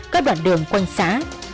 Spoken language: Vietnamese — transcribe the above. các đoạn đường quanh xã